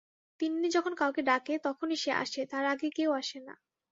তিন্নি যখন কাউকে ডাকে, তখনি সে আসে, তার আগে কেউ আসে না।